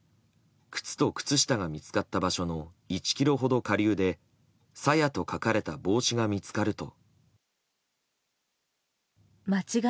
靴と靴下が見つかった場所の１ｋｍほど下流で「さや」と書かれた帽子が見つかると。